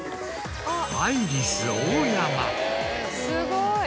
すごい！